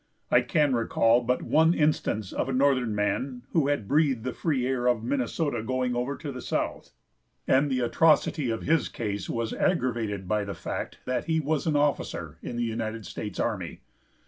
I can recall but one instance of a Northern man who had breathed the free air of Minnesota going over to the South, and the atrocity of his case was aggravated by the fact that he was an officer in the United States army.